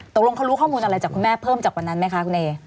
ตกลงเขารู้ข้อมูลอะไรจากคุณแม่เพิ่มจากวันนั้นไหมคะคุณเอ